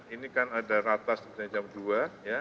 ini kan ada ratas pertanyaan jam dua ya